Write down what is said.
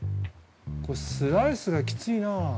これ、スライスがきついなぁ。